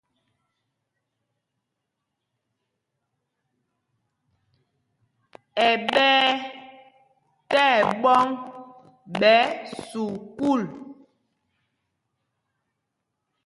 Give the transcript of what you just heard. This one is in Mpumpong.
Ɛ́ ɓɛ̄y tí ɛɓɔ̌ŋ ɓɛ̌ sukûl.